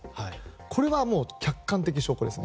これは客観的証拠ですね。